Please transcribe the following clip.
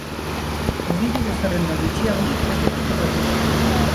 Ogibide zerrenda bitxiagorik ez duzu topatuko.